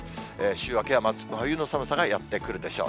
週明けは真冬の寒さがやって来るでしょう。